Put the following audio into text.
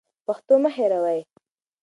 پښتو مه هېروئ.